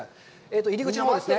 入り口のほうですね。